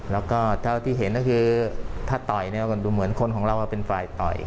แล้วก็เท่าที่เห็นก็คือถ้าต่อยเนี่ยก็ดูเหมือนคนของเราเป็นฝ่ายต่อย